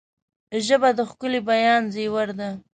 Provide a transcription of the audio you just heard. ژبه د ښکلي بیان زیور ده